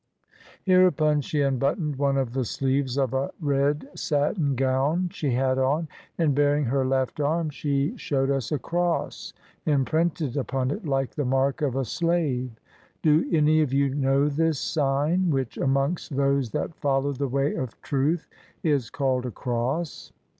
Hereupon she unbuttoned one of the sleeves of a red satin gown she had on, and baring her left arm, she showed us a cross imprinted upon it like the mark of a slave. "Do any of you know this sign, which amongst those that follow the way of truth is called a cross?